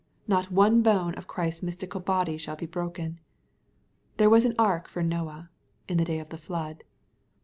Not one bone of Christ's mystical body shall be broken. There was an ark for Noah, in the day of the flood.